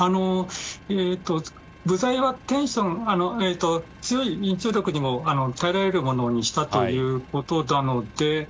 ベルトはテンション、強い張力にも耐えられるものにしたということなので。